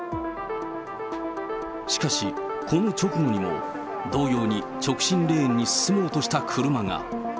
しかし、この直後にも同様に直進レーンに進もうとした車が。